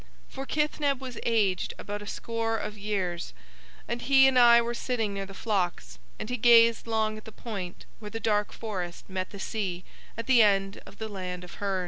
For Kithneb was aged about a score of years, and he and I were sitting near the flocks, and he gazed long at the point where the dark forest met the sea at the end of the land of Hurn.